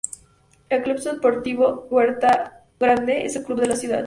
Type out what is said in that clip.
El club Sportivo Huerta Grande es el club de la ciudad.